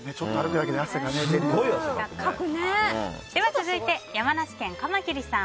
続いて、山梨県の方。